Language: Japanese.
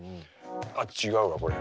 あっ違うわこれ。